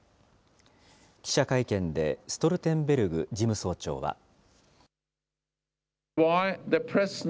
記者会見で、ストルテンベルグ事務総長は。